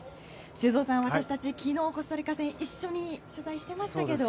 修造さん、私たち昨日コスタリカ戦一緒に取材していましたけど。